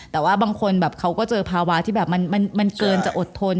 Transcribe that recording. แต่ว่าบางคนแบบเขาก็เจอภาวะที่แบบมันเกินจะอดทน